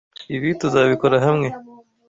Ibi tuzabikora hamwe.